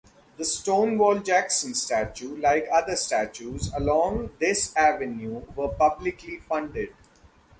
The ‘Stonewall’ Jackson statue like other statues along this Avenue were publicly funded.